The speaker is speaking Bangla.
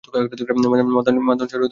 মাদয়ান শহরে তারা বসবাস করত।